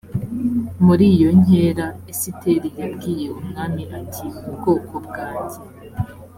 muri iyo nkera esiteri yabwiye umwami ati ubwoko bwanjye